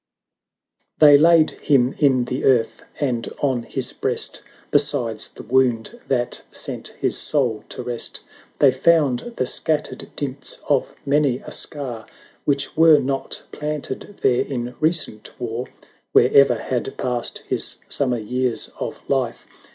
XXIII. They laid him in the earth, and on his breast. Besides the wound that sent his soul to rest. They found the scattered dints of many a scar, Which were not planted there in recent war; Where'er had passed his summer years of life.